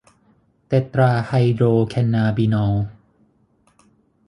เตตราไฮโดรแคนนาบินอล